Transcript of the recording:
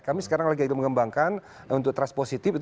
kami sekarang lagi mengembangkan untuk trust positif